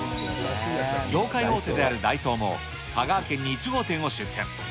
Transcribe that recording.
業界大手であるダイソーも、香川県に１号店を出店。